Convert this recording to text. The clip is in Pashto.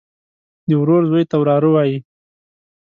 د ورور زوى ته وراره وايي.